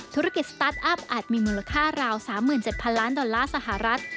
ธุรกิจสตาร์ทอัพอาจมีมูลค่าราว๓๗๐๐ล้านดอลลาร์สหรัฐ